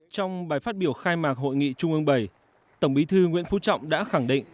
trong bài phát biểu khai mạc hội nghị trung ương bảy tổng bí thư nguyễn phú trọng đã khẳng định